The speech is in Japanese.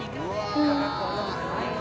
うわ！